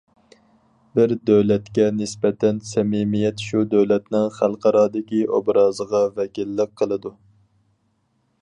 بىر دۆلەتكە نىسبەتەن سەمىمىيەت شۇ دۆلەتنىڭ خەلقئارادىكى ئوبرازىغا ۋەكىللىك قىلىدۇ.